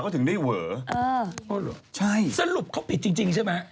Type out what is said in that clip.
จริงดีกว่าก็ถึงได้เว๋อใช่สรุปเขาผิดจริงใช่ไหม